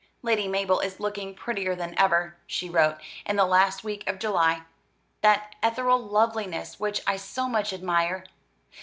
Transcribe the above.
"Lady Mabel is looking prettier than ever," she wrote, in the last week of July, "that ethereal loveliness which I so much admire.